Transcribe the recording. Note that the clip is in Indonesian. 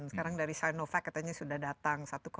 sekarang dari sinovac katanya sudah datang